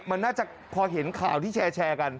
มันน่าจะพอเห็นข่าวที่แชร์กัน